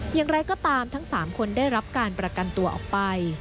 อย่างไรก็ตามทั้ง๓คนได้รับการประกันตัวออกไป